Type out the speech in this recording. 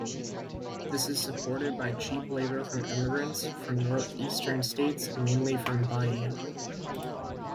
This is supported by cheap labor from emigrants from northeastern states, mainly from Bahia.